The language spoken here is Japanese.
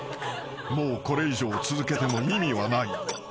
［もうこれ以上続けても意味はない］